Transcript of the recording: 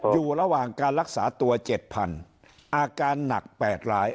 อยู่ระหว่างการรักษาตัว๗๐๐อาการหนัก๘ราย